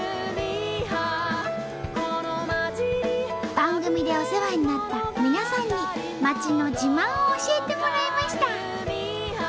番組でお世話になった皆さんに町の自慢を教えてもらいました！